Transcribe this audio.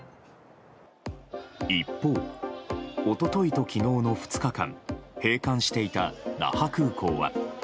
一方、一昨日と昨日の２日間閉館していた那覇空港は。